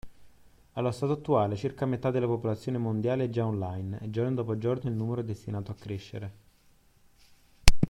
Allo stato attuale circa metà della popolazione mondiale è già online e giorno dopo giorno il numero è destinato a crescere